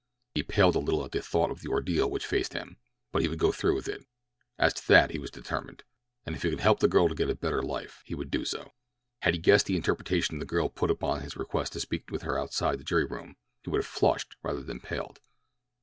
He paled a little at the thought of the ordeal which faced him; but he would go through with it, as to that he was determined, and if he could help the girl to a better life he would do so. Had he guessed the interpretation the girl put upon his request to speak with her outside the jury room he would have flushed rather than paled.